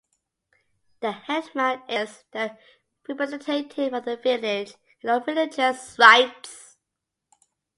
The headman is the representative of the village in all religious rites.